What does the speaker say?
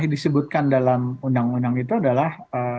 yang paling disebutkan dalam undang undang itu adalah